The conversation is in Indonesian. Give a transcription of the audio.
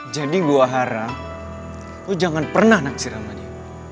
jadi gue haram lo jangan pernah nangsi sama dia